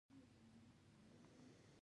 نورستاني وګړي د مېلمه پالنې سمبول دي.